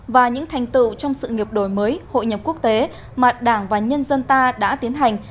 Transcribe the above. và những thành tựu trong sự nghiệp đổi mới hội nhập quốc tế mà đảng và nhân dân ta đã tiến hành